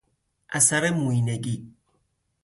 اثر مویینگی